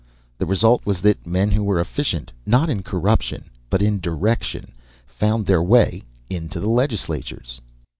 The result was that men who were efficient, not in corruption, but in direction, found their way into the legislatures.